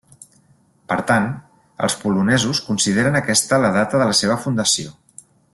Per tant, els polonesos consideren aquesta la data de la seva fundació.